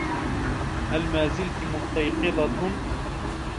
هل مازلتِ مُستيقظة ؟